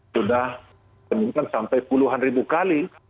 sudah ditemukan sampai puluhan ribu kali